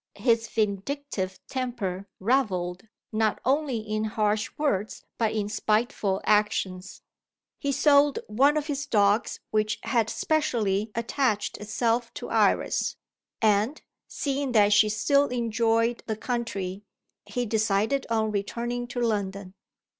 His vindictive temper revelled, not only in harsh words, but in spiteful actions. He sold one of his dogs which had specially attached itself to Iris; and, seeing that she still enjoyed the country, he decided on returning to London.